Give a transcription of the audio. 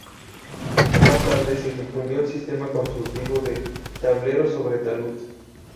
Más tarde se difundió el sistema constructivo de "tablero sobre talud".